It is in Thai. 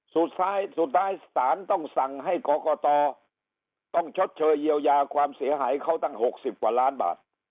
สุดท้ายสุดท้ายศาลต้องสั่งให้กรกตต้องชดเชยเยียวยาความเสียหายเขาตั้ง๖๐กว่าล้านบาท